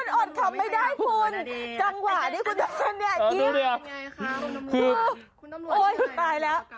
จังหวะที่คุณตำรวจช่วยนี่อีกโอ้ยคุณตายแล้ว